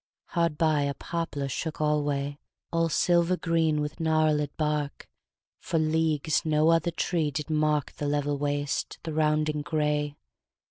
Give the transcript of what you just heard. Hard by a poplar shook alway, All silver green with gnarled bark: For leagues no other tree did mark The level waste, the rounding gray.